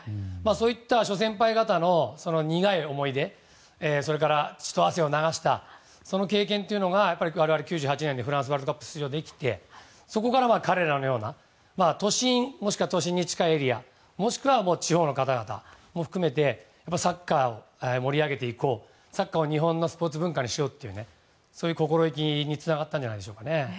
そういった諸先輩方の苦い思い出それから血と汗を流した経験というのがやっぱり我々、９８年フランスワールドカップに出場できてそこから彼らのような都心もしくは都心に近いエリアもしくは地方の方々も含めてサッカーを盛り上げていこうサッカーを日本のスポーツ文化にしようというそういう心意気につながったんじゃないでしょうかね。